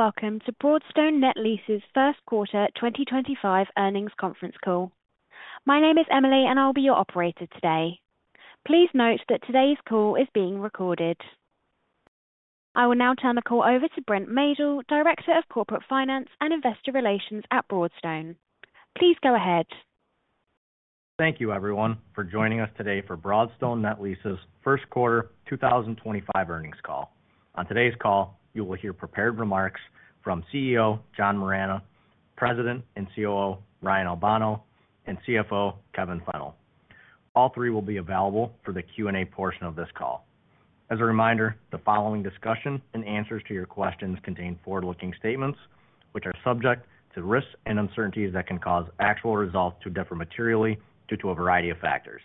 Hello and welcome to Broadstone Net Lease's First Quarter 2025 Earnings Conference Call. My name is Emily, and I'll be your operator today. Please note that today's call is being recorded. I will now turn the call over to Brent Maedl, Director of Corporate Finance and Investor Relations at Broadstone. Please go ahead. Thank you, everyone, for joining us today for Broadstone Net Lease's First Quarter 2025 Earnings Call. On today's call, you will hear prepared remarks from CEO John Moragne, President and COO Ryan Albano, and CFO Kevin Fennell. All three will be available for the Q&A portion of this call. As a reminder, the following discussion and answers to your questions contain forward-looking statements, which are subject to risks and uncertainties that can cause actual results to differ materially due to a variety of factors.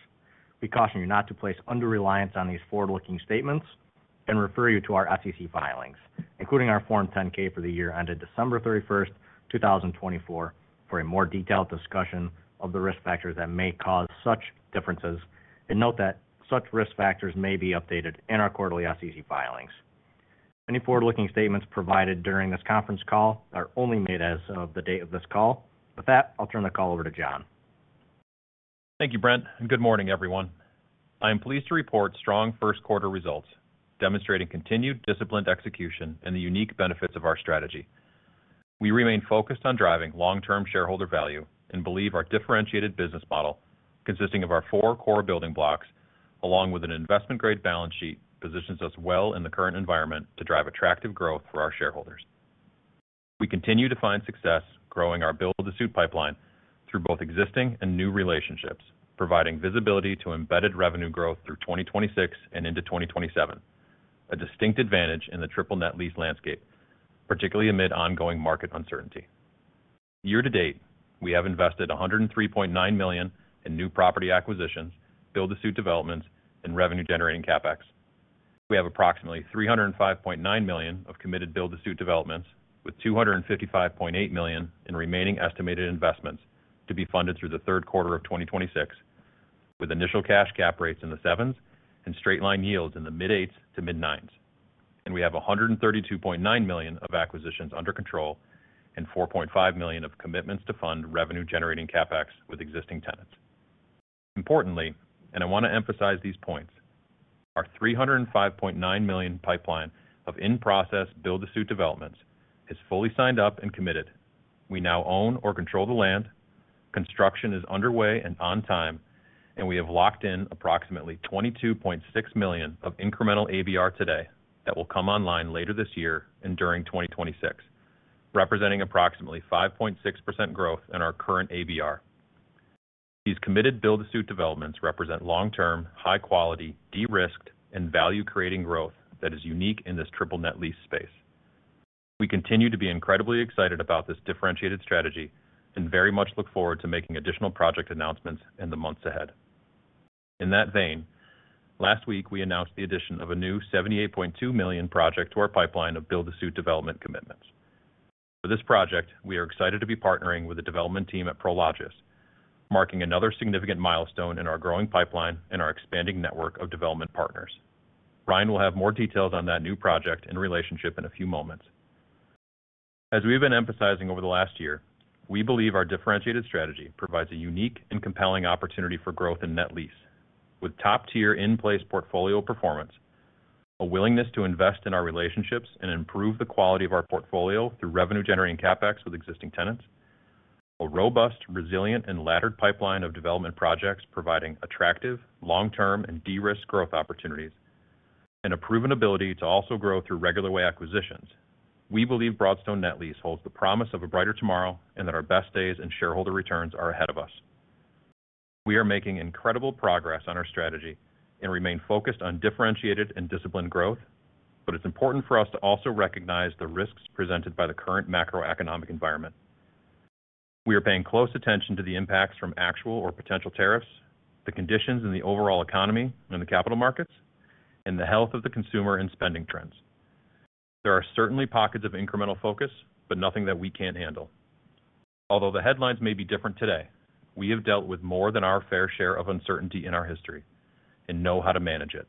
We caution you not to place undue reliance on these forward-looking statements and refer you to our SEC filings, including our Form 10-K for the year ended 31 December 2024, for a more detailed discussion of the risk factors that may cause such differences. Note that such risk factors may be updated in our quarterly SEC filings. Any forward-looking statements provided during this conference call are only made as of the date of this call. With that, I'll turn the call over to John. Thank you, Brent, and good morning, everyone. I am pleased to report strong Q1 results demonstrating continued disciplined execution and the unique benefits of our strategy. We remain focused on driving long-term shareholder value and believe our differentiated business model, consisting of our four core building blocks, along with an investment-grade balance sheet, positions us well in the current environment to drive attractive growth for our shareholders. We continue to find success growing our build-to-suit pipeline through both existing and new relationships, providing visibility to embedded revenue growth through 2026 and into 2027, a distinct advantage in the triple net lease landscape, particularly amid ongoing market uncertainty. Year to date, we have invested $103.9 million in new property acquisitions, build-to-suit developments, and revenue-generating CapEx. We have approximately $305.9 million of committed build-to-suit developments, with $255.8 million in remaining estimated investments to be funded through Q3 of 2026, with initial cash cap rates in the sevens and straight-line yields in the mid-eights to mid-nines. We have $132.9 million of acquisitions under control and $4.5 million of commitments to fund revenue-generating CapEx with existing tenants. Importantly, and I want to emphasize these points, our $305.9 million pipeline of in-process build-to-suit developments is fully signed up and committed. We now own or control the land. Construction is underway and on time, and we have locked in approximately $22.6 million of incremental ABR today that will come online later this year and during 2026, representing approximately 5.6% growth in our current ABR. These committed build-to-suit developments represent long-term, high-quality, de-risked, and value-creating growth that is unique in this triple net lease space. We continue to be incredibly excited about this differentiated strategy and very much look forward to making additional project announcements in the months ahead. In that vein, last week we announced the addition of a new $78.2 million project to our pipeline of build-to-suit development commitments. For this project, we are excited to be partnering with the development team at Prologis, marking another significant milestone in our growing pipeline and our expanding network of development partners. Ryan will have more details on that new project and relationship in a few moments. As we've been emphasizing over the last year, we believe our differentiated strategy provides a unique and compelling opportunity for growth in net lease, with top-tier in-place portfolio performance, a willingness to invest in our relationships and improve the quality of our portfolio through revenue-generating CapEx with existing tenants, a robust, resilient, and laddered pipeline of development projects providing attractive long-term and de-risked growth opportunities, and a proven ability to also grow through regular way acquisitions. We believe Broadstone Net Lease holds the promise of a brighter tomorrow and that our best days and shareholder returns are ahead of us. We are making incredible progress on our strategy and remain focused on differentiated and disciplined growth, but it's important for us to also recognize the risks presented by the current macroeconomic environment. We are paying close attention to the impacts from actual or potential tariffs, the conditions in the overall economy and the capital markets, and the health of the consumer and spending trends. There are certainly pockets of incremental focus, but nothing that we can't handle. Although the headlines may be different today, we have dealt with more than our fair share of uncertainty in our history and know how to manage it.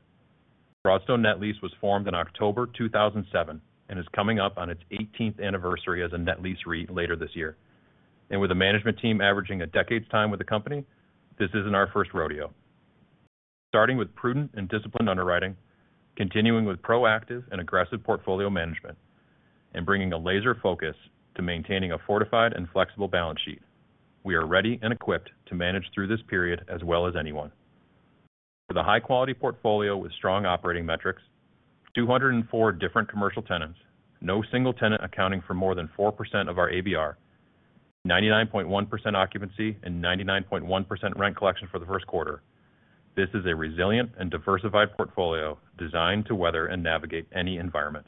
Broadstone Net Lease was formed in October 2007 and is coming up on its 18th anniversary as a net lease REIT later this year. With a management team averaging a decade's time with the company, this isn't our first rodeo. Starting with prudent and disciplined underwriting, continuing with proactive and aggressive portfolio management, and bringing a laser focus to maintaining a fortified and flexible balance sheet, we are ready and equipped to manage through this period as well as anyone. With a high-quality portfolio with strong operating metrics, 204 different commercial tenants, no single tenant accounting for more than 4% of our ABR, 99.1% occupancy, and 99.1% rent collection for Q1, this is a resilient and diversified portfolio designed to weather and navigate any environment.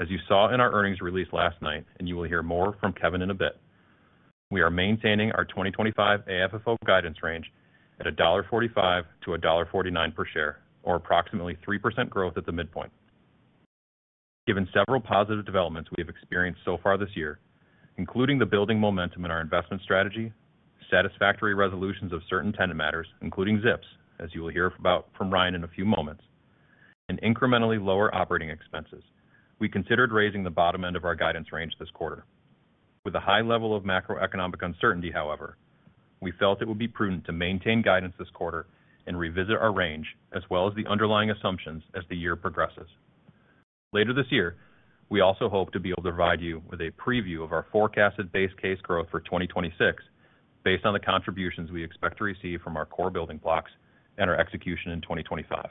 As you saw in our earnings release last night, and you will hear more from Kevin in a bit, we are maintaining our 2025 AFFO guidance range at $1.45 to 1.49 per share, or approximately 3% growth at the midpoint. Given several positive developments we have experienced so far this year, including the building momentum in our investment strategy, satisfactory resolutions of certain tenant matters, including Zips, as you will hear about from Ryan in a few moments, and incrementally lower operating expenses, we considered raising the bottom end of our guidance range this quarter. With a high level of macroeconomic uncertainty, however, we felt it would be prudent to maintain guidance this quarter and revisit our range as well as the underlying assumptions as the year progresses. Later this year, we also hope to be able to provide you with a preview of our forecasted base case growth for 2026 based on the contributions we expect to receive from our core building blocks and our execution in 2025.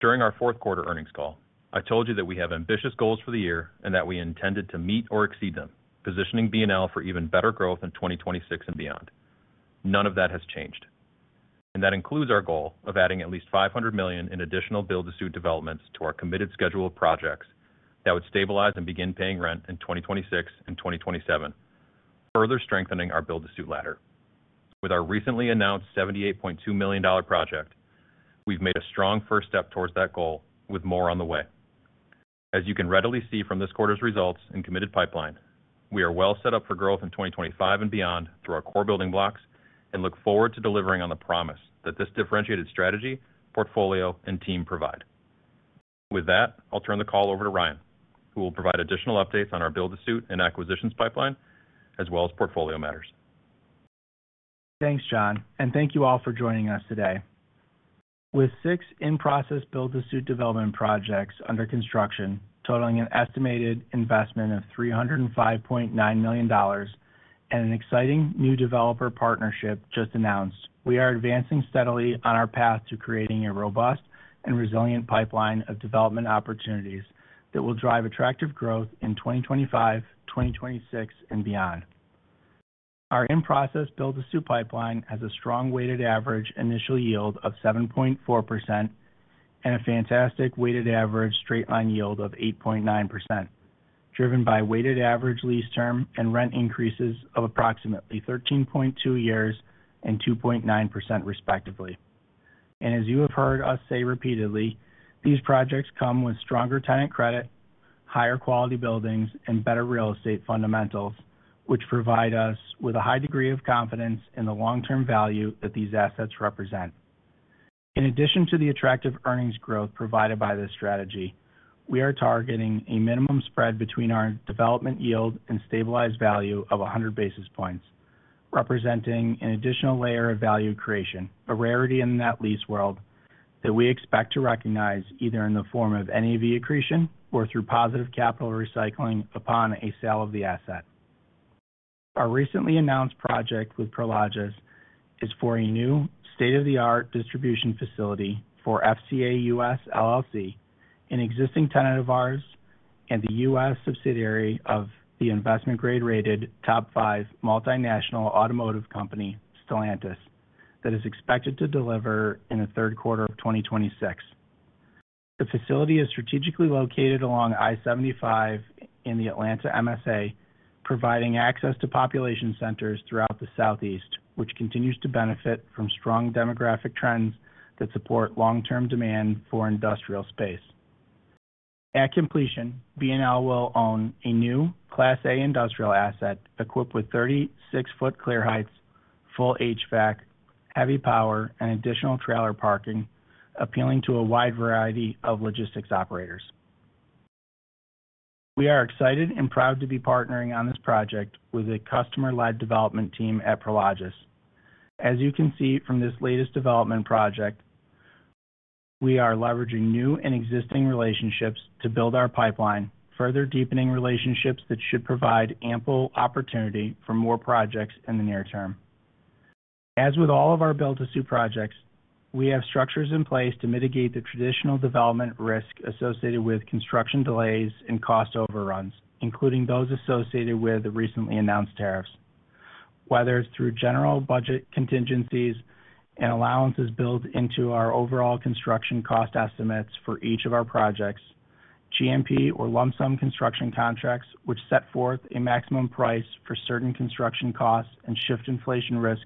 During our Q4 earnings call, I told you that we have ambitious goals for the year and that we intended to meet or exceed them, positioning BNL for even better growth in 2026 and beyond. None of that has changed. That includes our goal of adding at least $500 million in additional build-to-suit developments to our committed schedule of projects that would stabilize and begin paying rent in 2026 and 2027, further strengthening our build-to-suit ladder. With our recently announced $78.2 million project, we've made a strong first step towards that goal with more on the way. As you can readily see from this quarter's results and committed pipeline, we are well set up for growth in 2025 and beyond through our core building blocks and look forward to delivering on the promise that this differentiated strategy, portfolio, and team provide. With that, I'll turn the call over to Ryan, who will provide additional updates on our build-to-suit and acquisitions pipeline, as well as portfolio matters. Thanks, John, and thank you all for joining us today. With six in-process build-to-suit development projects under construction totaling an estimated investment of $305.9 million and an exciting new developer partnership just announced, we are advancing steadily on our path to creating a robust and resilient pipeline of development opportunities that will drive attractive growth in 2025, 2026, and beyond. Our in-process build-to-suit pipeline has a strong weighted average initial yield of 7.4% and a fantastic weighted average straight-line yield of 8.9%, driven by weighted average lease term and rent increases of approximately 13.2 years and 2.9%, respectively. As you have heard us say repeatedly, these projects come with stronger tenant credit, higher quality buildings, and better real estate fundamentals, which provide us with a high degree of confidence in the long-term value that these assets represent. In addition to the attractive earnings growth provided by this strategy, we are targeting a minimum spread between our development yield and stabilized value of 100 basis points, representing an additional layer of value creation, a rarity in the net lease world that we expect to recognize either in the form of NAV accretion or through positive capital recycling upon a sale of the asset. Our recently announced project with Prologis is for a new state-of-the-art distribution facility for FCA US LLC, an existing tenant of ours and the US subsidiary of the investment-grade rated top five multinational automotive company, Stellantis, that is expected to deliver in Q3 of 2026. The facility is strategically located along I-75 in the Atlanta MSA, providing access to population centers throughout the southeast, which continues to benefit from strong demographic trends that support long-term demand for industrial space. At completion, BNL will own a new Class A industrial asset equipped with 36-foot clear heights, full HVAC, heavy power, and additional trailer parking, appealing to a wide variety of logistics operators. We are excited and proud to be partnering on this project with a customer-led development team at Prologis. As you can see from this latest development project, we are leveraging new and existing relationships to build our pipeline, further deepening relationships that should provide ample opportunity for more projects in the near term. As with all of our build-to-suit projects, we have structures in place to mitigate the traditional development risk associated with construction delays and cost overruns, including those associated with the recently announced tariffs. Whether it's through general budget contingencies and allowances built into our overall construction cost estimates for each of our projects, GMP or lump sum construction contracts, which set forth a maximum price for certain construction costs and shift inflation risk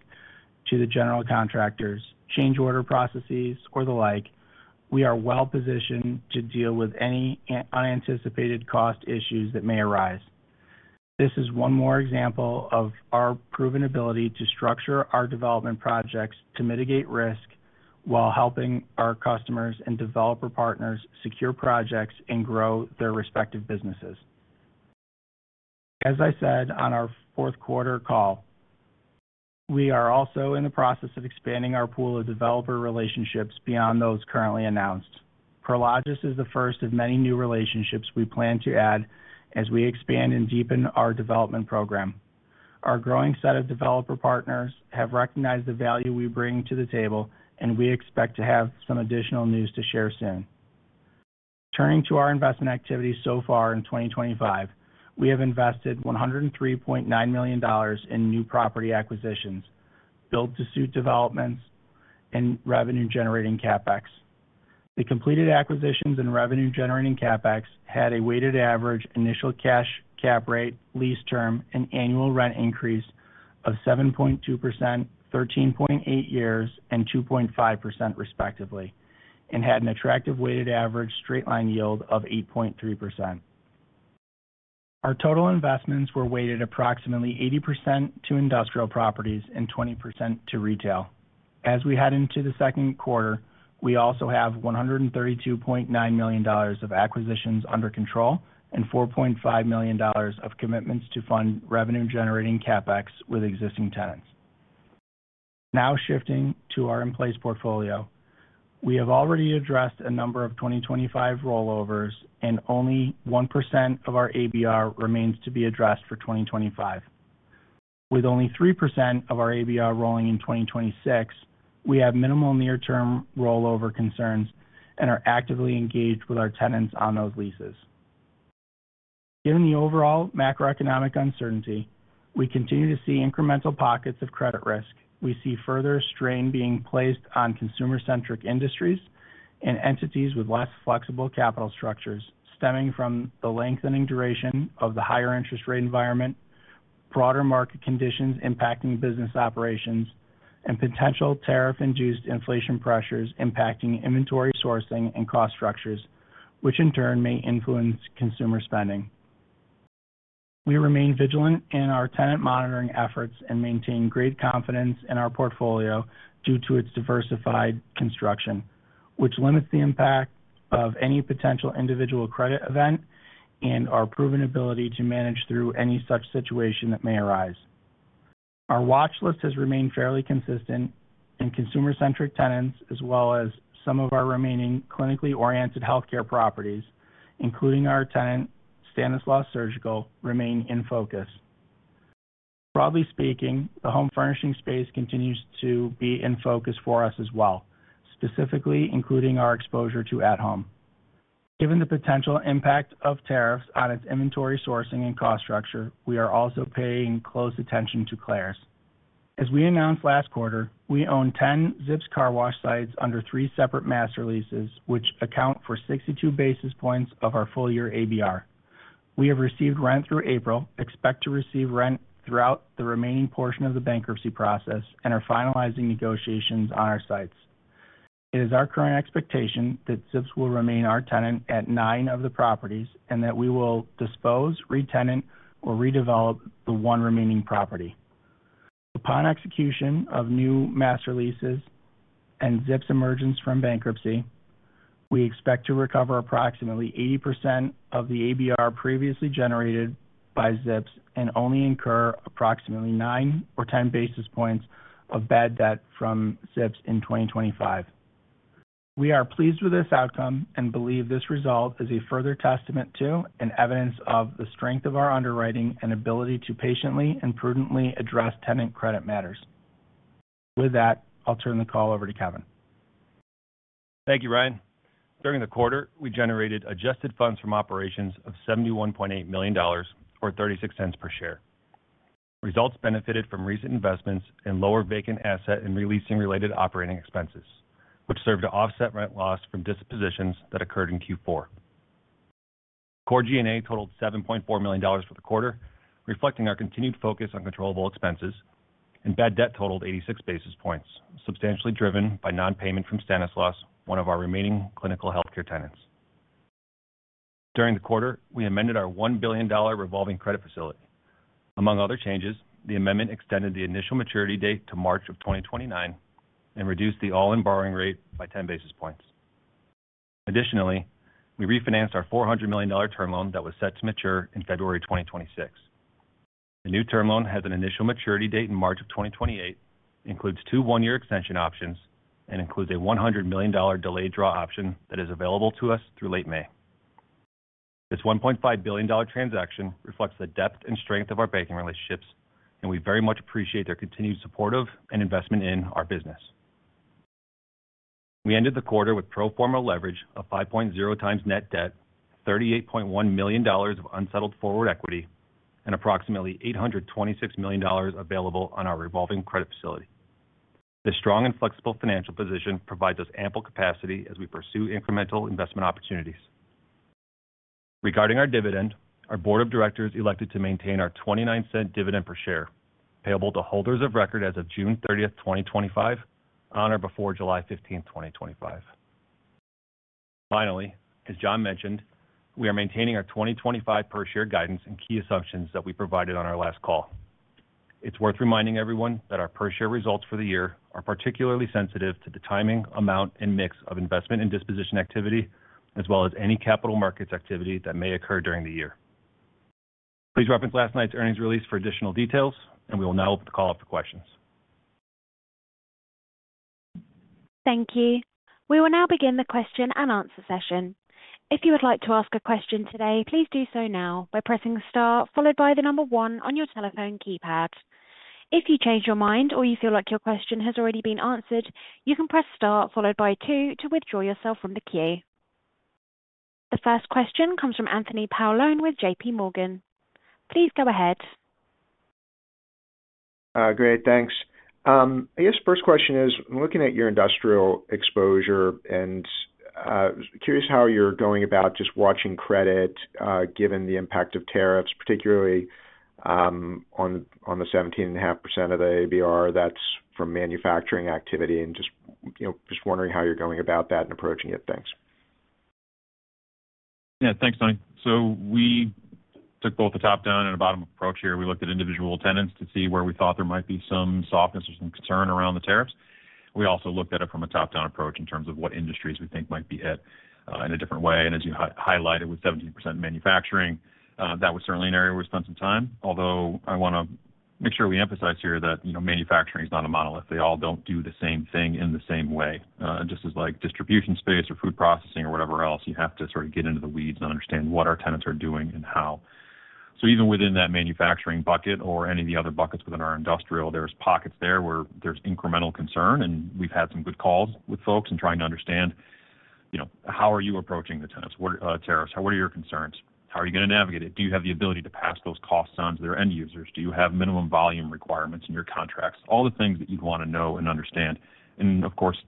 to the general contractors, change order processes, or the like, we are well positioned to deal with any unanticipated cost issues that may arise. This is one more example of our proven ability to structure our development projects to mitigate risk while helping our customers and developer partners secure projects and grow their respective businesses. As I said on our Q4 call, we are also in the process of expanding our pool of developer relationships beyond those currently announced. Prologis is the first of many new relationships we plan to add as we expand and deepen our development program. Our growing set of developer partners have recognized the value we bring to the table, and we expect to have some additional news to share soon. Turning to our investment activity so far in 2025, we have invested $103.9 million in new property acquisitions, build-to-suit developments, and revenue-generating CapEx. The completed acquisitions and revenue-generating CapEx had a weighted average initial cash cap rate, lease term, and annual rent increase of 7.2%, 13.8 years, and 2.5%, respectively, and had an attractive weighted average straight-line yield of 8.3%. Our total investments were weighted approximately 80% to industrial properties and 20% to retail. As we head into Q2, we also have $132.9 million of acquisitions under control and $4.5 million of commitments to fund revenue-generating CapEx with existing tenants. Now shifting to our in-place portfolio, we have already addressed a number of 2025 rollovers, and only 1% of our ABR remains to be addressed for 2025. With only 3% of our ABR rolling in 2026, we have minimal near-term rollover concerns and are actively engaged with our tenants on those leases. Given the overall macroeconomic uncertainty, we continue to see incremental pockets of credit risk. We see further strain being placed on consumer-centric industries and entities with less flexible capital structures, stemming from the lengthening duration of the higher interest rate environment, broader market conditions impacting business operations, and potential tariff-induced inflation pressures impacting inventory sourcing and cost structures, which in turn may influence consumer spending. We remain vigilant in our tenant monitoring efforts and maintain great confidence in our portfolio due to its diversified construction, which limits the impact of any potential individual credit event and our proven ability to manage through any such situation that may arise. Our watch list has remained fairly consistent, and consumer-centric tenants, as well as some of our remaining clinically oriented healthcare properties, including our tenant Stanislaus Surgical Hospital, remain in focus. Broadly speaking, the home furnishing space continues to be in focus for us as well, specifically including our exposure to At Home. Given the potential impact of tariffs on its inventory sourcing and cost structure, we are also paying close attention to Claire's. As we announced last quarter, we own 10 Zips Car Wash sites under three separate master leases, which account for 62 basis points of our full year ABR. We have received rent through April, expect to receive rent throughout the remaining portion of the bankruptcy process, and are finalizing negotiations on our sites. It is our current expectation that Zips will remain our tenant at nine of the properties and that we will dispose, re-tenant, or redevelop the one remaining property. Upon execution of new master leases and Zips emergence from bankruptcy, we expect to recover approximately 80% of the ABR previously generated by Zips and only incur approximately 9 or 10 basis points of bad debt from Zips in 2025. We are pleased with this outcome and believe this result is a further testament to and evidence of the strength of our underwriting and ability to patiently and prudently address tenant credit matters. With that, I'll turn the call over to Kevin. Thank you, Ryan. During the quarter, we generated adjusted funds from operations of $71.8 million or $0.36 per share. Results benefited from recent investments and lower vacant asset and releasing-related operating expenses, which served to offset rent loss from dispositions that occurred in Q4. Core G&A totaled $7.4 million for the quarter, reflecting our continued focus on controllable expenses, and bad debt totaled 86 basis points, substantially driven by nonpayment from Stanislaus, one of our remaining clinical healthcare tenants. During the quarter, we amended our $1 billion revolving credit facility. Among other changes, the amendment extended the initial maturity date to March of 2029 and reduced the all-in borrowing rate by 10 basis points. Additionally, we refinanced our $400 million term loan that was set to mature in February 2026. The new term loan has an initial maturity date in March of 2028, includes two one-year extension options, and includes a $100 million delayed draw option that is available to us through late May. This $1.5 billion transaction reflects the depth and strength of our banking relationships, and we very much appreciate their continued support and investment in our business. We ended the quarter with pro forma leverage of 5.0x net debt, $38.1 million of unsettled forward equity, and approximately $826 million available on our revolving credit facility. This strong and flexible financial position provides us ample capacity as we pursue incremental investment opportunities. Regarding our dividend, our board of directors elected to maintain our $0.29 dividend per share, payable to holders of record as of 30 June 2025, on or before 15 July 2025. Finally, as John mentioned, we are maintaining our 2025 per-share guidance and key assumptions that we provided on our last call. It's worth reminding everyone that our per-share results for the year are particularly sensitive to the timing, amount, and mix of investment and disposition activity, as well as any capital markets activity that may occur during the year. Please reference last night's earnings release for additional details, and we will now open the call up for questions. Thank you. We will now begin the question and answer session. If you would like to ask a question today, please do so now by pressing Star, followed by the number one on your telephone keypad. If you change your mind or you feel like your question has already been answered, you can press Star, followed by two, to withdraw yourself from the queue. The first question comes from Anthony Paolone with JP Morgan. Please go ahead. Great. Thanks. I guess the first question is, I'm looking at your industrial exposure and curious how you're going about just watching credit given the impact of tariffs, particularly on the 17.5% of the ABR that's from manufacturing activity. And just wondering how you're going about that and approaching it. Thanks. Yeah. Thanks, Tony. We took both a top-down and a bottom-up approach here. We looked at individual tenants to see where we thought there might be some softness or some concern around the tariffs. We also looked at it from a top-down approach in terms of what industries we think might be hit in a different way. As you highlighted with 17% manufacturing, that was certainly an area where we spent some time. Although I want to make sure we emphasize here that manufacturing is not a monolith. They all do not do the same thing in the same way. Just as like distribution space or food processing or whatever else, you have to sort of get into the weeds and understand what our tenants are doing and how. Even within that manufacturing bucket or any of the other buckets within our industrial, there's pockets there where there's incremental concern. We've had some good calls with folks and trying to understand how are you approaching the tenants? What are your concerns? How are you going to navigate it? Do you have the ability to pass those cost signs to their end users? Do you have minimum volume requirements in your contracts? All the things that you'd want to know and understand. Of course,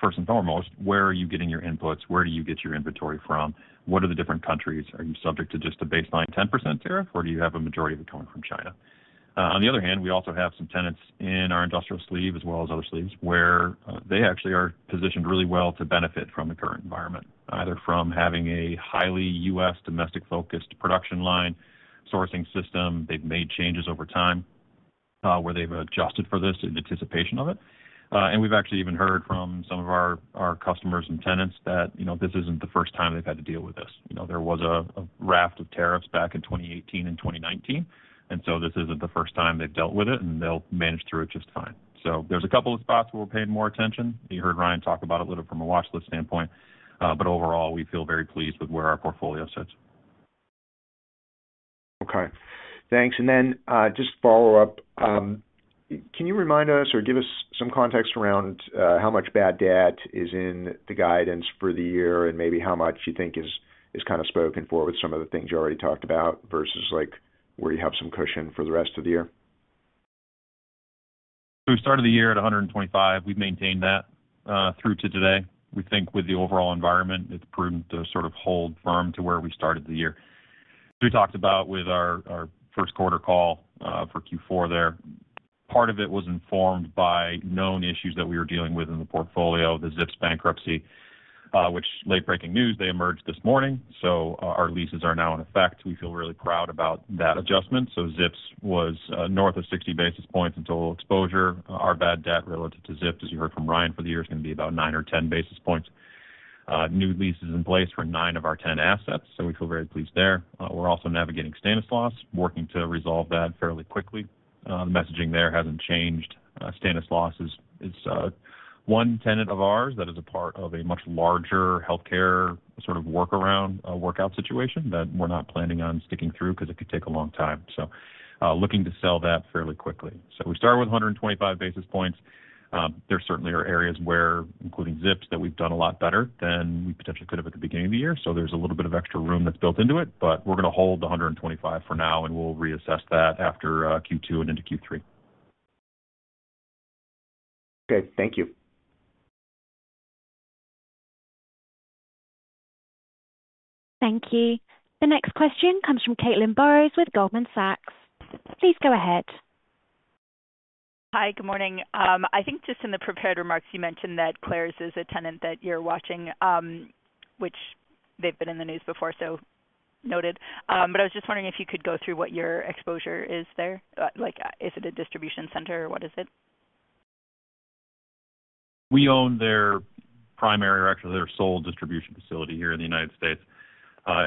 first and foremost, where are you getting your inputs? Where do you get your inventory from? What are the different countries? Are you subject to just a baseline 10% tariff, or do you have a majority of it coming from China? On the other hand, we also have some tenants in our industrial sleeve, as well as other sleeves, where they actually are positioned really well to benefit from the current environment, either from having a highly US domestic-focused production line sourcing system. They've made changes over time where they've adjusted for this in anticipation of it. We've actually even heard from some of our customers and tenants that this isn't the first time they've had to deal with this. There was a raft of tariffs back in 2018 and 2019, and this isn't the first time they've dealt with it, and they'll manage through it just fine. There are a couple of spots where we're paying more attention. You heard Ryan talk about it a little from a watch list standpoint, but overall, we feel very pleased with where our portfolio sits. Okay. Thanks. Just follow up. Can you remind us or give us some context around how much bad debt is in the guidance for the year and maybe how much you think is kind of spoken for with some of the things you already talked about versus where you have some cushion for the rest of the year? We started the year at 125. We've maintained that through to today. We think with the overall environment, it's prudent to sort of hold firm to where we started the year. As we talked about with our Q1 call for Q4 there, part of it was informed by known issues that we were dealing with in the portfolio, the Zips bankruptcy, which, late-breaking news, they emerged this morning. Our leases are now in effect. We feel really proud about that adjustment. Zips was north of 60 basis points in total exposure. Our bad debt relative to Zips, as you heard from Ryan for the year, is going to be about 9 or 10 basis points. New leases in place for 9 of our 10 assets, so we feel very pleased there. We're also navigating Stanislaus, working to resolve that fairly quickly. The messaging there hasn't changed. Stanislaus is one tenant of ours that is a part of a much larger healthcare sort of workout situation that we're not planning on sticking through because it could take a long time. Looking to sell that fairly quickly. We started with 125 basis points. There certainly are areas where, including Zips, that we've done a lot better than we potentially could have at the beginning of the year. There's a little bit of extra room that's built into it, but we're going to hold the 125 for now, and we'll reassess that after Q2 and into Q3. Okay. Thank you. Thank you. The next question comes from Caitlin Burrows with Goldman Sachs. Please go ahead. Hi. Good morning. I think just in the prepared remarks, you mentioned that Claire's is a tenant that you're watching, which they've been in the news before, so noted. I was just wondering if you could go through what your exposure is there. Is it a distribution center or what is it? We own their primary or actually their sole distribution facility here in the US.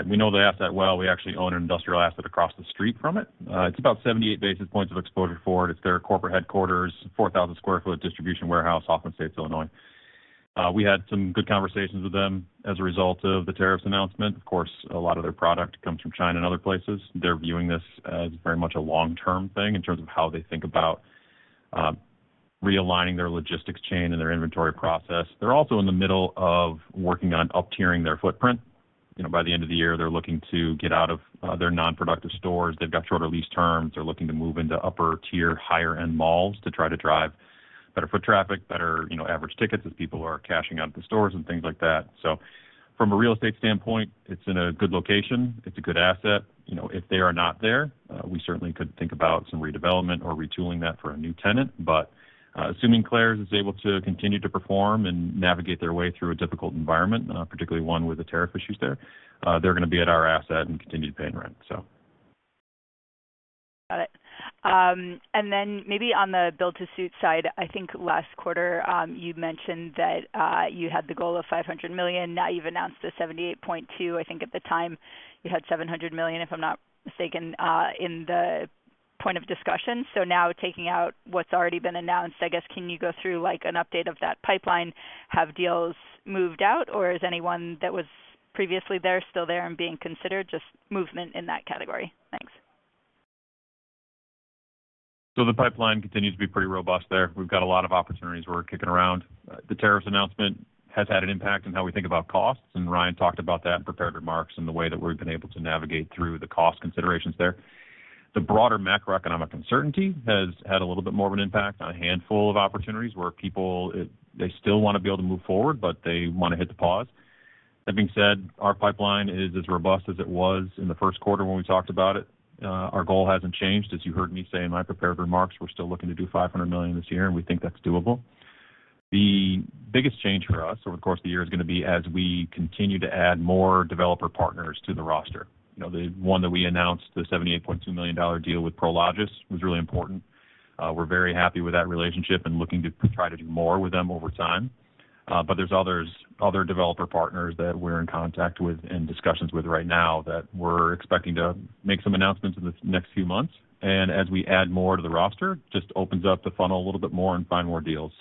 We know the asset well. We actually own an industrial asset across the street from it. It is about 78 basis points of exposure for it. It is their corporate headquarters, 4,000sq ft distribution warehouse, Hoffman Estates, Illinois. We had some good conversations with them as a result of the tariffs announcement. Of course, a lot of their product comes from China and other places. They are viewing this as very much a long-term thing in terms of how they think about realigning their logistics chain and their inventory process. They are also in the middle of working on up-tiering their footprint. By the end of the year, they are looking to get out of their non-productive stores. They have got shorter lease terms. They're looking to move into upper-tier, higher-end malls to try to drive better foot traffic, better average tickets as people are cashing out of the stores and things like that. From a real estate standpoint, it's in a good location. It's a good asset. If they are not there, we certainly could think about some redevelopment or retooling that for a new tenant. Assuming Claire's is able to continue to perform and navigate their way through a difficult environment, particularly one with the tariff issues there, they're going to be at our asset and continue to pay in rent. Got it. Maybe on the build-to-suit side, I think last quarter you mentioned that you had the goal of $500 million. Now you've announced the $78.2 million. I think at the time you had $700 million, if I'm not mistaken, in the point of discussion. Now taking out what's already been announced, I guess, can you go through an update of that pipeline? Have deals moved out, or is anyone that was previously there still there and being considered? Just movement in that category. Thanks. The pipeline continues to be pretty robust there. We've got a lot of opportunities we're kicking around. The tariffs announcement has had an impact on how we think about costs, and Ryan talked about that in prepared remarks and the way that we've been able to navigate through the cost considerations there. The broader macroeconomic uncertainty has had a little bit more of an impact on a handful of opportunities where people, they still want to be able to move forward, but they want to hit the pause. That being said, our pipeline is as robust as it was in Q1 when we talked about it. Our goal hasn't changed. As you heard me say in my prepared remarks, we're still looking to do $500 million this year, and we think that's doable. The biggest change for us over the course of the year is going to be as we continue to add more developer partners to the roster. The one that we announced, the $78.2 million deal with Prologis, was really important. We're very happy with that relationship and looking to try to do more with them over time. There are other developer partners that we're in contact with and discussions with right now that we're expecting to make some announcements in the next few months. As we add more to the roster, it just opens up the funnel a little bit more and find more deals.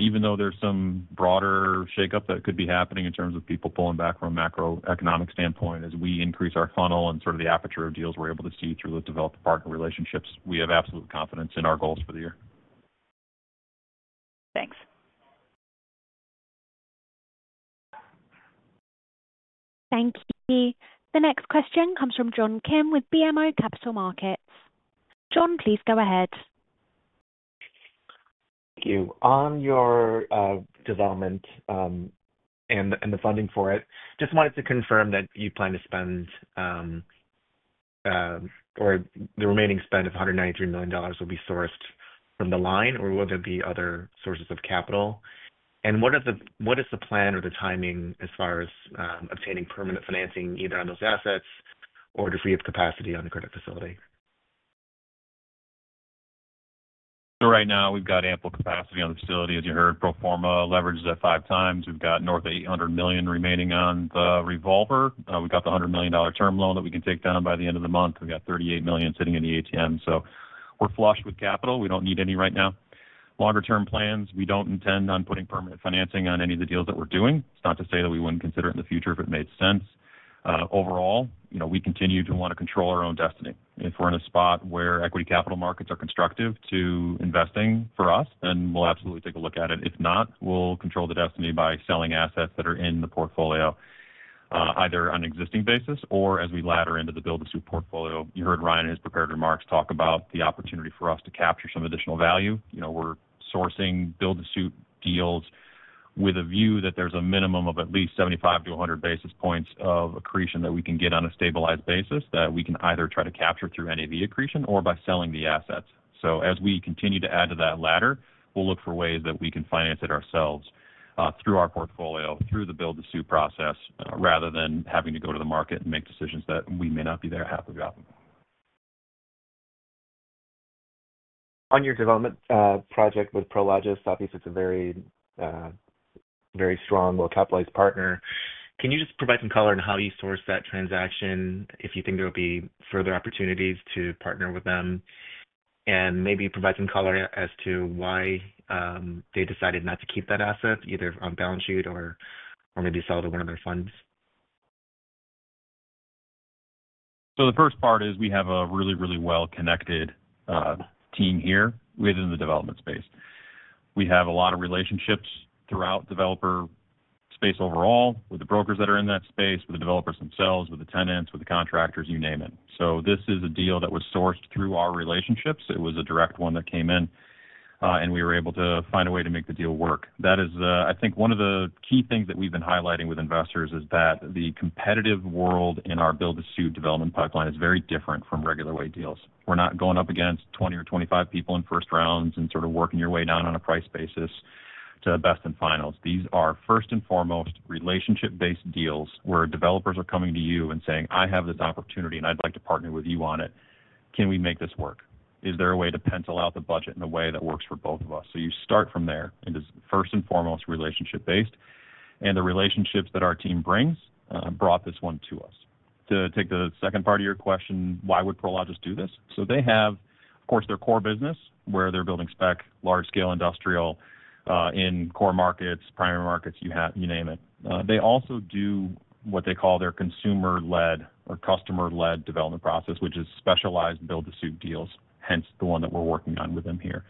Even though there's some broader shakeup that could be happening in terms of people pulling back from a macroeconomic standpoint, as we increase our funnel and sort of the aperture of deals we're able to see through those developer partner relationships, we have absolute confidence in our goals for the year. Thanks. Thank you. The next question comes from John Kim with BMO Capital Markets. John, please go ahead. Thank you. On your development and the funding for it, just wanted to confirm that you plan to spend or the remaining spend of $193 million will be sourced from the line, or will there be other sources of capital? What is the plan or the timing as far as obtaining permanent financing either on those assets or to free up capacity on the credit facility? Right now, we've got ample capacity on the facility. As you heard, pro forma leveraged at five times. We've got north of $800 million remaining on the revolver. We've got the $100 million term loan that we can take down by the end of the month. We've got $38 million sitting in the ATM. We're flush with capital. We don't need any right now. Longer-term plans, we don't intend on putting permanent financing on any of the deals that we're doing. It's not to say that we wouldn't consider it in the future if it made sense. Overall, we continue to want to control our own destiny. If we're in a spot where equity capital markets are constructive to investing for us, then we'll absolutely take a look at it. If not, we'll control the destiny by selling assets that are in the portfolio, either on an existing basis or as we ladder into the build-to-suit portfolio. You heard Ryan in his prepared remarks talk about the opportunity for us to capture some additional value. We're sourcing build-to-suit deals with a view that there's a minimum of at least 75 to 100 basis points of accretion that we can get on a stabilized basis that we can either try to capture through any of the accretion or by selling the assets. As we continue to add to that ladder, we'll look for ways that we can finance it ourselves through our portfolio, through the build-to-suit process, rather than having to go to the market and make decisions that we may not be there halfway up. On your development project with Prologis, obviously, it's a very strong, well-capitalized partner. Can you just provide some color on how you source that transaction, if you think there will be further opportunities to partner with them, and maybe provide some color as to why they decided not to keep that asset, either on balance sheet or maybe sell to one of their funds? The first part is we have a really, really well-connected team here within the development space. We have a lot of relationships throughout developer space overall, with the brokers that are in that space, with the developers themselves, with the tenants, with the contractors, you name it. This is a deal that was sourced through our relationships. It was a direct one that came in, and we were able to find a way to make the deal work. That is, I think, one of the key things that we've been highlighting with investors is that the competitive world in our build-to-suit development pipeline is very different from regular way deals. We're not going up against 20 or 25 people in first rounds and sort of working your way down on a price basis to best in finals. These are first and foremost relationship-based deals where developers are coming to you and saying, "I have this opportunity, and I'd like to partner with you on it. Can we make this work? Is there a way to pencil out the budget in a way that works for both of us?" You start from there and it is first and foremost relationship-based. The relationships that our team brings brought this one to us. To take the second part of your question, why would Prologis do this? They have, of course, their core business where they are building spec, large-scale industrial in core markets, primary markets, you name it. They also do what they call their consumer-led or customer-led development process, which is specialized build-to-suit deals, hence the one that we are working on with them here.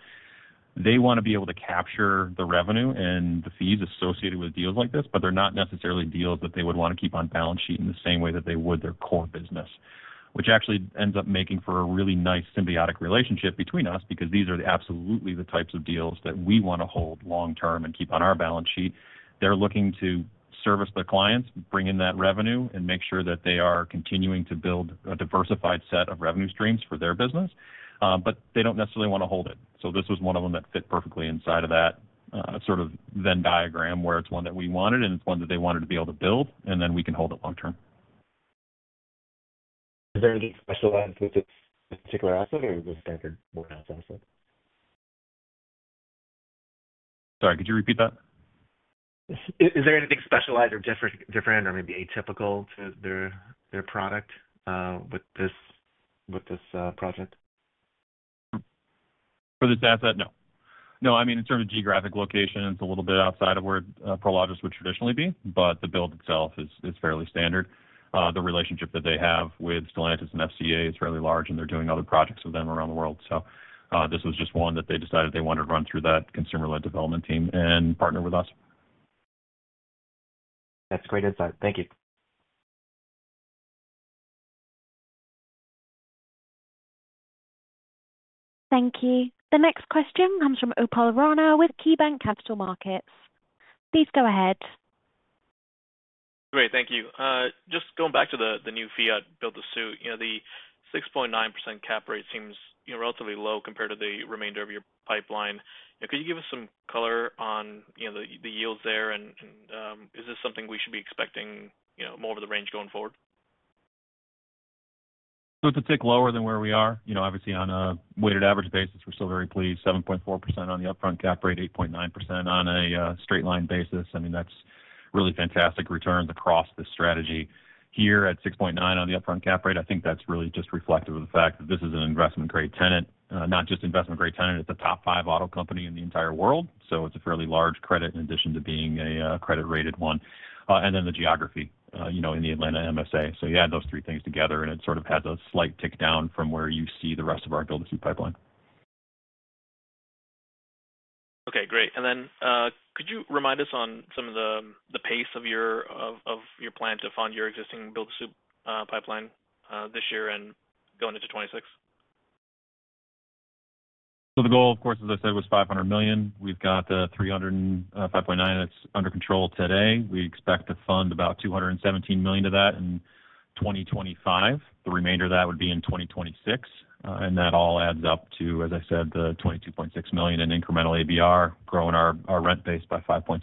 They want to be able to capture the revenue and the fees associated with deals like this, but they're not necessarily deals that they would want to keep on balance sheet in the same way that they would their core business, which actually ends up making for a really nice symbiotic relationship between us because these are absolutely the types of deals that we want to hold long-term and keep on our balance sheet. They're looking to service their clients, bring in that revenue, and make sure that they are continuing to build a diversified set of revenue streams for their business, but they don't necessarily want to hold it. This was one of them that fit perfectly inside of that sort of Venn diagram where it's one that we wanted, and it's one that they wanted to be able to build, and then we can hold it long-term. Is there anything specialized with this particular asset or the standard warehouse asset? Sorry, could you repeat that? Is there anything specialized or different or maybe atypical to their product with this project? For this asset, no. No, I mean, in terms of geographic location, it's a little bit outside of where Prologis would traditionally be, but the build itself is fairly standard. The relationship that they have with Stellantis and FCA is fairly large, and they're doing other projects with them around the world. This was just one that they decided they wanted to run through that consumer-led development team and partner with us. That's great insight. Thank you. Thank you. The next question comes from Upal Rana with KeyBanc Capital Markets. Please go ahead. Great. Thank you. Just going back to the new Fiat build-to-suit, the 6.9% cap rate seems relatively low compared to the remainder of your pipeline. Could you give us some color on the yields there, and is this something we should be expecting more of the range going forward? It's a tick lower than where we are. Obviously, on a weighted average basis, we're still very pleased. 7.4% on the upfront cap rate, 8.9% on a straight-line basis. I mean, that's really fantastic returns across the strategy. Here at 6.9% on the upfront cap rate, I think that's really just reflective of the fact that this is an investment-grade tenant, not just investment-grade tenant. It's a top five auto company in the entire world. It's a fairly large credit in addition to being a credit-rated one. The geography in the Atlanta MSA. You add those three things together, and it sort of has a slight tick down from where you see the rest of our build-to-suit pipeline. Okay. Great. Could you remind us on some of the pace of your plan to fund your existing build-to-suit pipeline this year and going into 2026? The goal, of course, as I said, was $500 million. We've got $305.9 million that's under control today. We expect to fund about $217 million of that in 2025. The remainder of that would be in 2026. That all adds up to, as I said, the $22.6 million in incremental ABR, growing our rent base by 5.6%.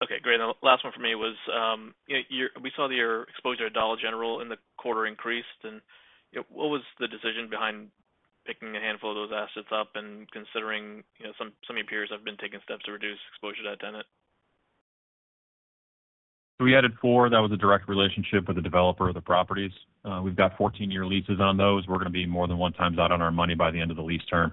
Okay. Great. The last one for me was we saw that your exposure to Dollar General in the quarter increased. What was the decision behind picking a handful of those assets up and considering some of your peers have been taking steps to reduce exposure to that tenant? We added four. That was a direct relationship with the developer of the properties. We have 14-year leases on those. We are going to be more than one time out on our money by the end of the lease term.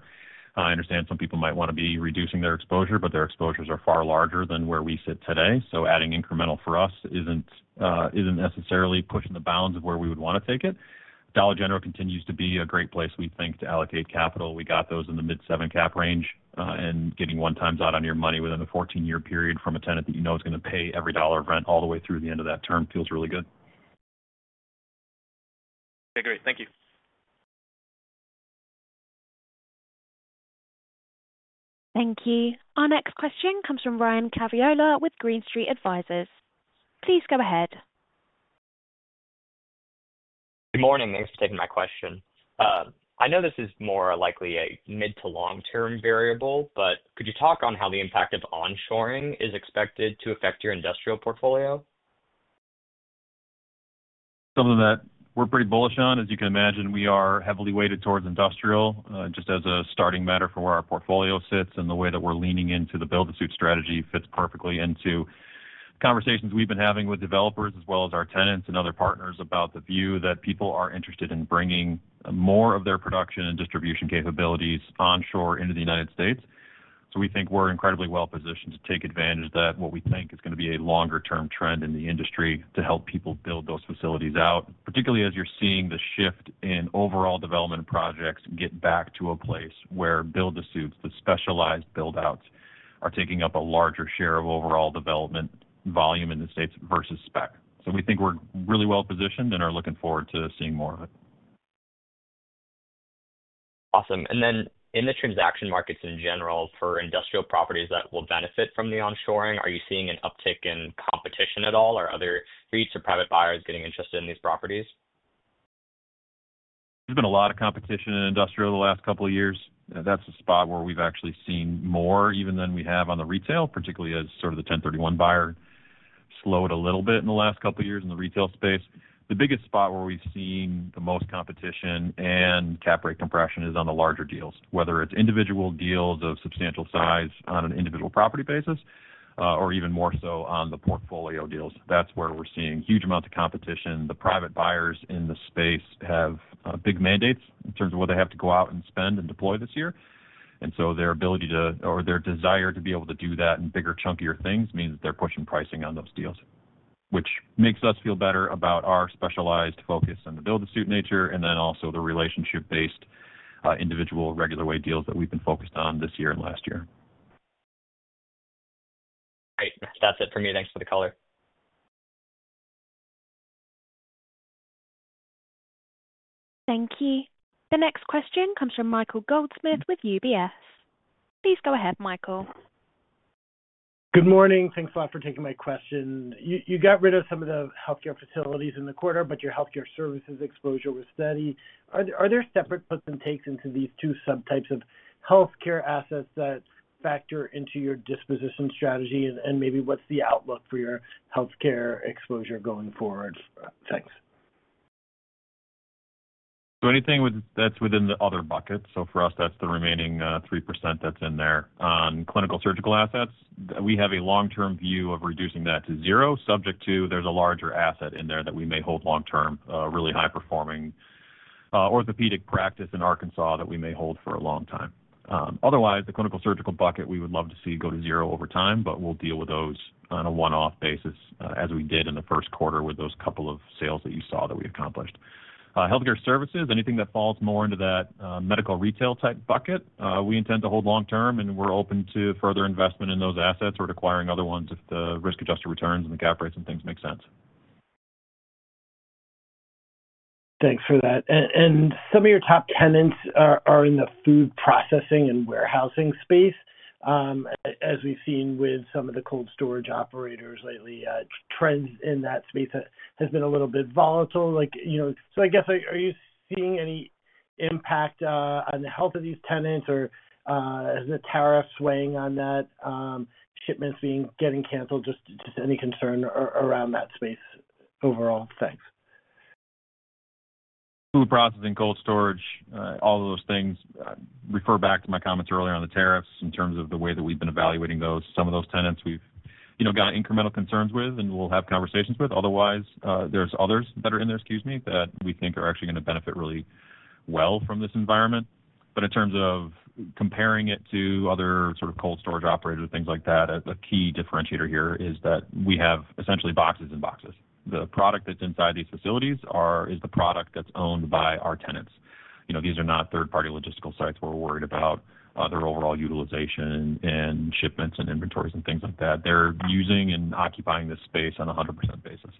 I understand some people might want to be reducing their exposure, but their exposures are far larger than where we sit today. Adding incremental for us is not necessarily pushing the bounds of where we would want to take it. Dollar General continues to be a great place, we think, to allocate capital. We got those in the mid-7% cap range. Getting one time out on your money within a 14-year period from a tenant that you know is going to pay every dollar of rent all the way through the end of that term feels really good. Okay. Great. Thank you. Thank you. Our next question comes from Ryan Caviola with Green Street Advisors. Please go ahead. Good morning. Thanks for taking my question. I know this is more likely a mid to long-term variable, but could you talk on how the impact of onshoring is expected to affect your industrial portfolio? Something that we're pretty bullish on. As you can imagine, we are heavily weighted towards industrial just as a starting matter for where our portfolio sits and the way that we're leaning into the build-to-suit strategy fits perfectly into conversations we've been having with developers as well as our tenants and other partners about the view that people are interested in bringing more of their production and distribution capabilities onshore into the United States. We think we're incredibly well-positioned to take advantage of that, what we think is going to be a longer-term trend in the industry to help people build those facilities out, particularly as you're seeing the shift in overall development projects get back to a place where build-to-suits, the specialized build-outs, are taking up a larger share of overall development volume in the states versus spec. We think we're really well-positioned and are looking forward to seeing more of it. Awesome. In the transaction markets in general, for industrial properties that will benefit from the onshoring, are you seeing an uptick in competition at all, or are there fleets of private buyers getting interested in these properties? There's been a lot of competition in industrial the last couple of years. That's the spot where we've actually seen more even than we have on the retail, particularly as sort of the 1031 buyer slowed a little bit in the last couple of years in the retail space. The biggest spot where we've seen the most competition and cap rate compression is on the larger deals, whether it's individual deals of substantial size on an individual property basis or even more so on the portfolio deals. That's where we're seeing huge amounts of competition. The private buyers in the space have big mandates in terms of what they have to go out and spend and deploy this year. Their ability to, or their desire to be able to do that in bigger, chunkier things means that they're pushing pricing on those deals, which makes us feel better about our specialized focus and the build-to-suit nature, and then also the relationship-based individual regular way deals that we've been focused on this year and last year. Great. That's it for me. Thanks for the color. Thank you. The next question comes from Michael Goldsmith with UBS. Please go ahead, Michael. Good morning. Thanks a lot for taking my question. You got rid of some of the healthcare facilities in the quarter, but your healthcare services exposure was steady. Are there separate puts and takes into these two subtypes of healthcare assets that factor into your disposition strategy, and maybe what's the outlook for your healthcare exposure going forward? Thanks. Anything that's within the other bucket, that's the remaining 3% that's in there. On clinical surgical assets, we have a long-term view of reducing that to zero, subject to there's a larger asset in there that we may hold long-term, really high-performing orthopedic practice in Arkansas that we may hold for a long time. Otherwise, the clinical surgical bucket, we would love to see go to zero over time, but we'll deal with those on a one-off basis as we did in Q1 with those couple of sales that you saw that we accomplished. Healthcare services, anything that falls more into that medical retail type bucket, we intend to hold long-term, and we're open to further investment in those assets or acquiring other ones if the risk-adjusted returns and the cap rates and things make sense. Thanks for that. Some of your top tenants are in the food processing and warehousing space. As we've seen with some of the cold storage operators lately, trends in that space have been a little bit volatile. I guess, are you seeing any impact on the health of these tenants, or is the tariff swaying on that, shipments getting canceled? Just any concern around that space overall? Thanks. Food processing, cold storage, all of those things refer back to my comments earlier on the tariffs in terms of the way that we've been evaluating those. Some of those tenants we've got incremental concerns with and will have conversations with. Otherwise, there are others that are in there, excuse me, that we think are actually going to benefit really well from this environment. In terms of comparing it to other sort of cold storage operators, things like that, a key differentiator here is that we have essentially boxes and boxes. The product that's inside these facilities is the product that's owned by our tenants. These are not third-party logistical sites where we're worried about their overall utilization and shipments and inventories and things like that. They're using and occupying this space on a 100% basis.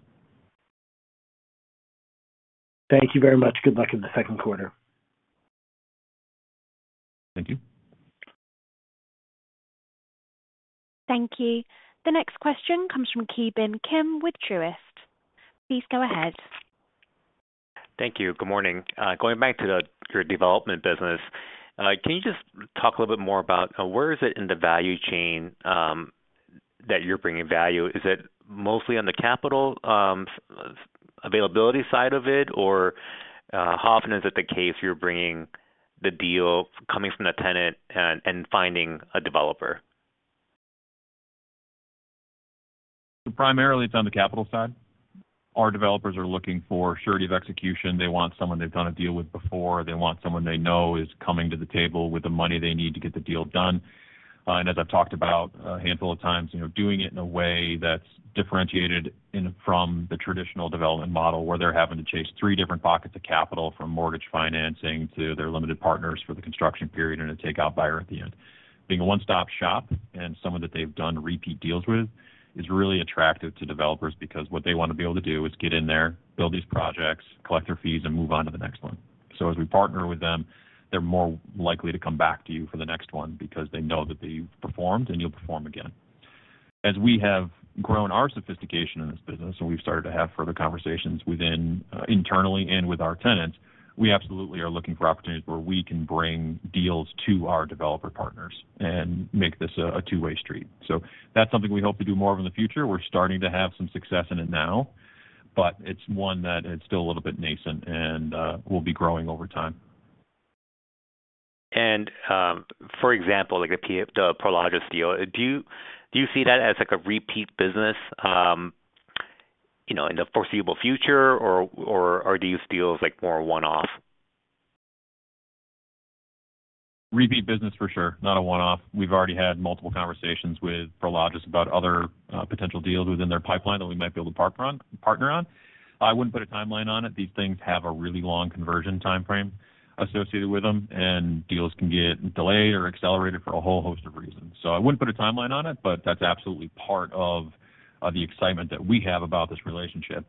Thank you very much. Good luck in Q2. Thank you. Thank you. The next question comes from Ki Bin Kim with Truist. Please go ahead. Thank you. Good morning. Going back to your development business, can you just talk a little bit more about where is it in the value chain that you're bringing value? Is it mostly on the capital availability side of it, or how often is it the case you're bringing the deal coming from the tenant and finding a developer? Primarily, it's on the capital side. Our developers are looking for surety of execution. They want someone they've done a deal with before. They want someone they know is coming to the table with the money they need to get the deal done. As I've talked about a handful of times, doing it in a way that's differentiated from the traditional development model where they're having to chase three different pockets of capital from mortgage financing to their limited partners for the construction period and a takeout buyer at the end. Being a one-stop shop and someone that they've done repeat deals with is really attractive to developers because what they want to be able to do is get in there, build these projects, collect their fees, and move on to the next one. As we partner with them, they're more likely to come back to you for the next one because they know that they've performed and you'll perform again. As we have grown our sophistication in this business and we've started to have further conversations internally and with our tenants, we absolutely are looking for opportunities where we can bring deals to our developer partners and make this a two-way street. That is something we hope to do more of in the future. We're starting to have some success in it now, but it's one that is still a little bit nascent and will be growing over time. For example, the Prologis deal, do you see that as a repeat business in the foreseeable future, or do you see it as more of a one-off? Repeat business for sure. Not a one-off. We've already had multiple conversations with Prologis about other potential deals within their pipeline that we might be able to partner on. I wouldn't put a timeline on it. These things have a really long conversion timeframe associated with them, and deals can get delayed or accelerated for a whole host of reasons. I wouldn't put a timeline on it, but that's absolutely part of the excitement that we have about this relationship.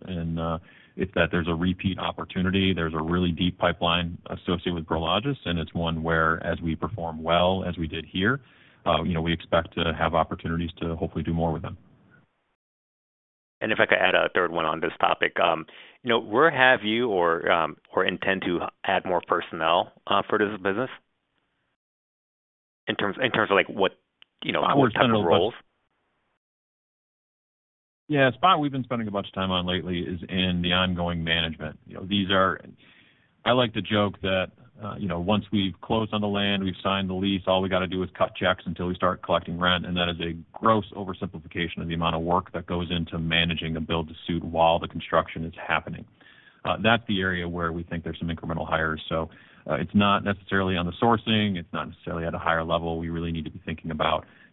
It's that there's a repeat opportunity. There's a really deep pipeline associated with Prologis, and it's one where, as we perform well, as we did here, we expect to have opportunities to hopefully do more with them. If I could add a third one on this topic, where have you or intend to add more personnel for this business in terms of what roles? Yeah. A spot we've been spending a bunch of time on lately is in the ongoing management. I like to joke that once we've closed on the land, we've signed the lease, all we got to do is cut checks until we start collecting rent. That is a gross oversimplification of the amount of work that goes into managing a build-to-suit while the construction is happening. That's the area where we think there's some incremental hires. It's not necessarily on the sourcing. It's not necessarily at a higher level. We really need to be thinking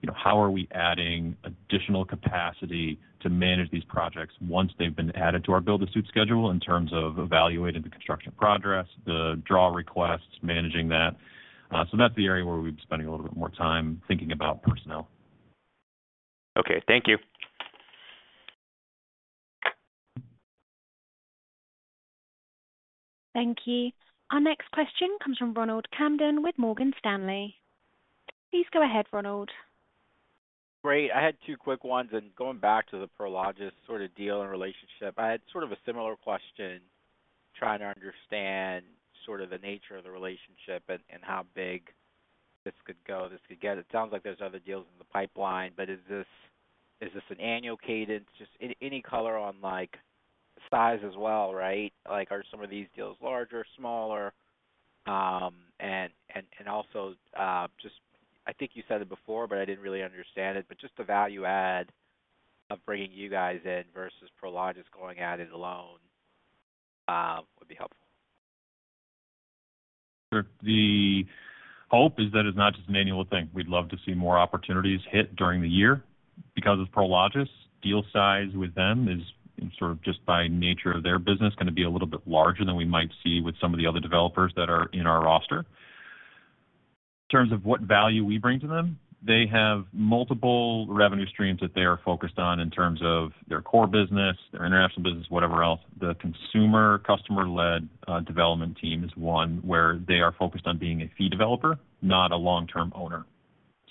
about how are we adding additional capacity to manage these projects once they've been added to our build-to-suit schedule in terms of evaluating the construction progress, the draw requests, managing that. That's the area where we've been spending a little bit more time thinking about personnel. Okay. Thank you. Thank you. Our next question comes from Ronald Kamdem with Morgan Stanley. Please go ahead, Ronald. Great. I had two quick ones. Going back to the Prologis sort of deal and relationship, I had sort of a similar question trying to understand sort of the nature of the relationship and how big this could go, this could get. It sounds like there's other deals in the pipeline, but is this an annual cadence? Just any color on size as well, right? Are some of these deals larger, smaller? Also, just I think you said it before, but I didn't really understand it, but just the value add of bringing you guys in versus Prologis going at it alone would be helpful. Sure. The hope is that it's not just an annual thing. We'd love to see more opportunities hit during the year because of Prologis. Deal size with them is sort of just by nature of their business going to be a little bit larger than we might see with some of the other developers that are in our roster. In terms of what value we bring to them, they have multiple revenue streams that they are focused on in terms of their core business, their international business, whatever else. The consumer customer-led development team is one where they are focused on being a fee developer, not a long-term owner.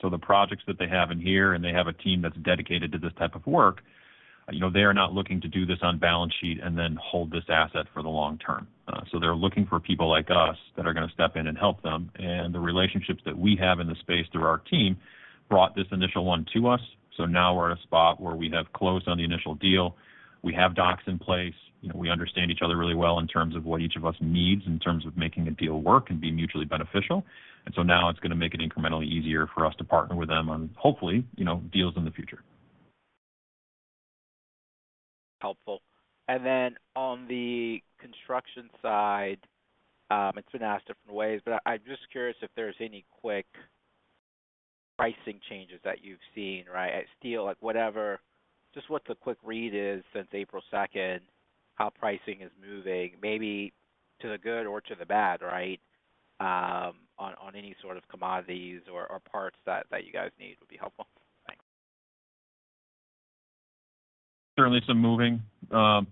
So the projects that they have in here and they have a team that's dedicated to this type of work, they are not looking to do this on balance sheet and then hold this asset for the long term. They are looking for people like us that are going to step in and help them. The relationships that we have in the space through our team brought this initial one to us. Now we are at a spot where we have closed on the initial deal. We have docs in place. We understand each other really well in terms of what each of us needs in terms of making a deal work and be mutually beneficial. Now it is going to make it incrementally easier for us to partner with them on hopefully deals in the future. Helpful. Then on the construction side, it's been asked different ways, but I'm just curious if there's any quick pricing changes that you've seen, right? Steel, whatever, just what the quick read is since April 2, how pricing is moving, maybe to the good or to the bad, right, on any sort of commodities or parts that you guys need would be helpful. Thanks. Certainly some moving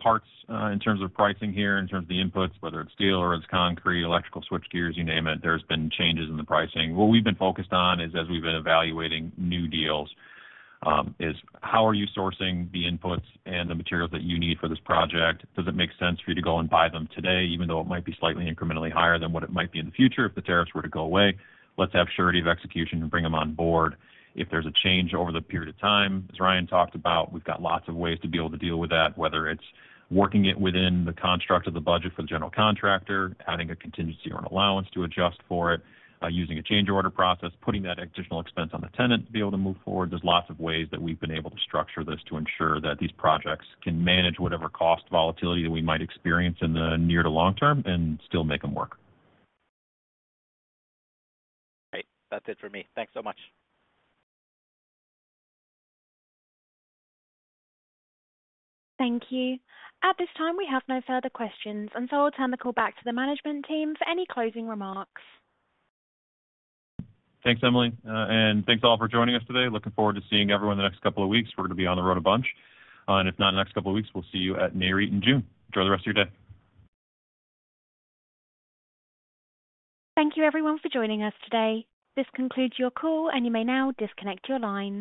parts in terms of pricing here, in terms of the inputs, whether it's steel or it's concrete, electrical switchgears, you name it, there's been changes in the pricing. What we've been focused on is, as we've been evaluating new deals, is how are you sourcing the inputs and the materials that you need for this project? Does it make sense for you to go and buy them today, even though it might be slightly incrementally higher than what it might be in the future if the tariffs were to go away? Let's have surety of execution and bring them on board. If there's a change over the period of time, as Ryan talked about, we've got lots of ways to be able to deal with that, whether it's working it within the construct of the budget for the general contractor, adding a contingency or an allowance to adjust for it, using a change order process, putting that additional expense on the tenant to be able to move forward. There are lots of ways that we've been able to structure this to ensure that these projects can manage whatever cost volatility that we might experience in the near to long term and still make them work. Great. That's it for me. Thanks so much. Thank you. At this time, we have no further questions, and so I'll turn the call back to the management team for any closing remarks. Thanks, Emily. Thanks all for joining us today. Looking forward to seeing everyone in the next couple of weeks. We're going to be on the road a bunch. If not in the next couple of weeks, we'll see you at Nareit in June. Enjoy the rest of your day. Thank you, everyone, for joining us today. This concludes your call, and you may now disconnect your line.